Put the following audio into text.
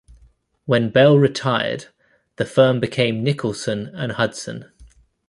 When Bell retired, the firm became Nicholson and Hudson.